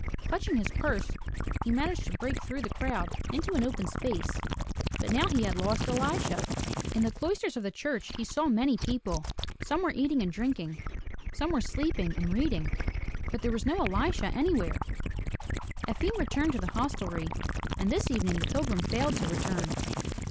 Clutching his purse, he managed to break through the crowd into an open space, but now he had lost Elisha. In the cloisters of the church he saw many people. Some were eating and drinking; some were sleeping and reading. But there was no Elisha anywhere. Efim returned to the hostelry and this evening the pilgrim failed to return.